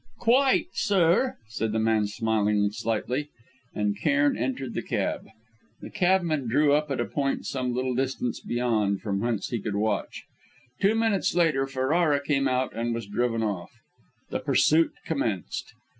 "Quite, sir," said the man, smiling slightly. And Cairn entered the cab. The cabman drew up at a point some little distance beyond, from whence he could watch. Two minutes later Ferrara came out and was driven off. The pursuit commenced.